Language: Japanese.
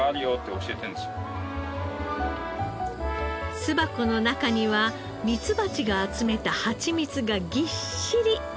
巣箱の中にはミツバチが集めたハチミツがぎっしり！